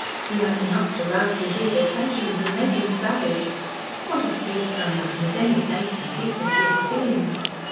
"He has enough to rouse his evil passions and make him savage. What a fate for a man with any sense and decency of feeling!